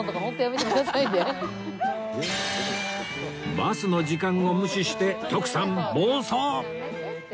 バスの時間を無視して徳さん暴走！